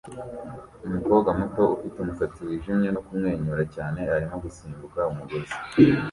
Umukobwa muto ufite umusatsi wijimye no kumwenyura cyane arimo gusimbuka umugozi